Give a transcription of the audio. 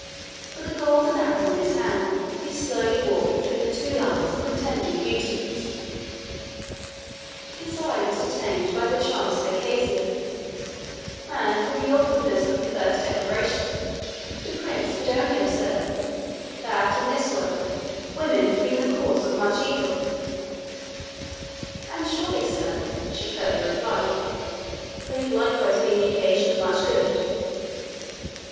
With a golden apple in his hand, he slowly walked between two lines of contending beauties: his eye was detained by the charms of Icasia, and in the awkwardness of a first declaration, the prince could only observe, that, in this world, women had been the cause of much evil; "And surely, sir," she pertly replied, "they have likewise been the occasion of much good."